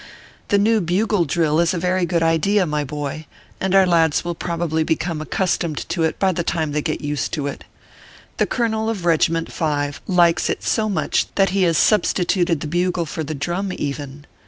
The new bugle drill is a very good idea, my boy, and our lads will probably become accustomed to it by the time they get used to it. The colonel of Keg iment Five likes it so much that he has substituted the bugle for the drum, even.